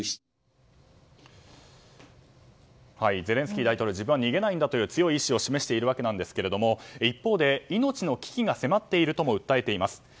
ゼレンスキー大統領自分は逃げないんだという強い意志を示しているわけですが一方で命の危機が迫っているとも訴えています。